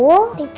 aku akan jatuh